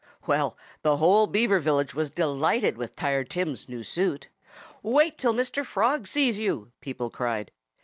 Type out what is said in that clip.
Well, the whole Beaver village was delighted with Tired Tim's new suit. "Wait till Mr. Frog sees you!" people cried.